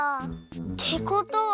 ってことは。